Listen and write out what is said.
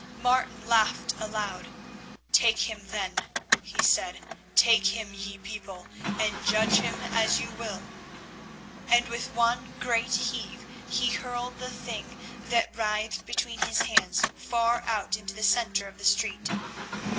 Martin laughed aloud. "Take him then," he said; "take him, ye people, and judge him as you will," and with one great heave he hurled the thing that writhed between his hands far out into the centre of the street.